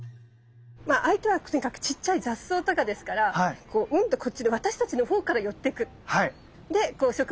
まあ相手はとにかくちっちゃい雑草とかですからこううんとこっちで私たちのほうから寄ってく。